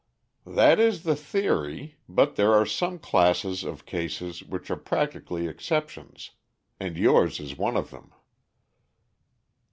"That is the theory; but there are some classes of cases which are practically exceptions, and yours is one of them."